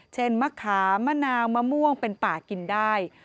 มะขามมะนาวมะม่วงเป็นป่ากินได้